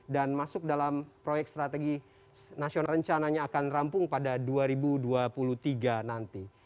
dan masuk dalam proyek strategi nasional rencananya akan rampung pada dua ribu dua puluh tiga nanti